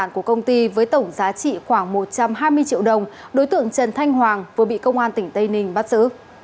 công ty với tổng giá trị khoảng một trăm hai mươi triệu đồng đối tượng trần thanh hoàng vừa bị công an tỉnh tây ninh bắt giữ